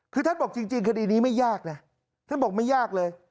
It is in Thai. คือท่านบอกจริงคดีนี้ไม่ยากนะท่านบอกไม่ยากเลย